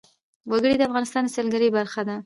وګړي د افغانستان د سیلګرۍ برخه ده.